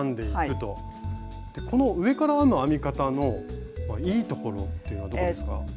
この上から編む編み方のいいところっていうのはどこですか？